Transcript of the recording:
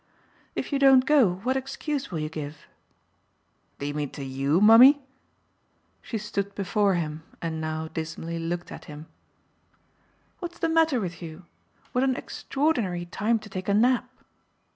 "If you don't go what excuse will you give?" "Do you mean to YOU, mummy?" She stood before him and now dismally looked at him. "What's the matter with you? What an extraordinary time to take a nap!"